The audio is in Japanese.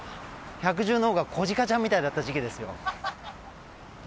百獣の王が子鹿ちゃんみたいだった時期ですよ。